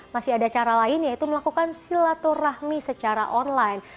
masih ada cara lain yaitu melakukan silaturahmi secara online